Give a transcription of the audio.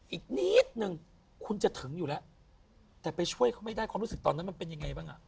อีกนิดนึงคุณจะถึงอยู่แล้วแต่ไปช่วยเขาไม่ได้ความรู้สึกตอนนั้นมันเป็นยังไงบ้างอ่ะ